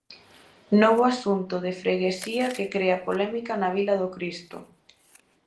Novo asunto de freguesía que crea polémica na Vila do Cristo.